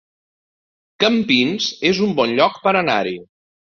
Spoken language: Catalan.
Campins es un bon lloc per anar-hi